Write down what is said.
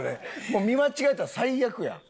もう見間違えたら最悪やん。